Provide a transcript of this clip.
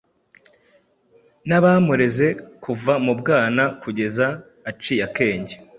nabamureze kuva mu bwana kugeza aciye akenge.